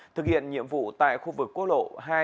thực hiện nhiệm vụ tại khu vực quốc lộ hai trăm bảy mươi chín